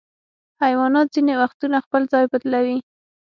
حیوانات ځینې وختونه خپل ځای بدلوي.